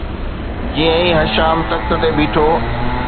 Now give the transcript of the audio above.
جيئن ئي هشام تخت تي ويٺو